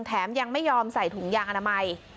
แถมยังไม่ยอมใส่ถุงยางอนามัย